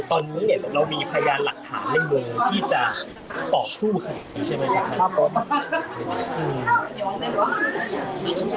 ตอนนี้เนี้ยเรามีพยานหลักฐานในเมืองที่จะต่อสู้ค่ะใช่ไหมครับครับผมอืม